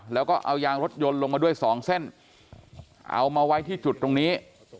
แล้วก็เอายางรถยนต์ลงมาด้วยสองเส้นเอามาไว้ที่จุดตรงนี้